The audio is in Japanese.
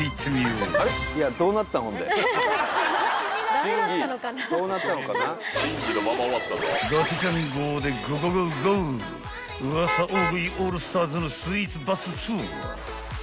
［ウワサ大食いオールスターズのスイーツバスツアー］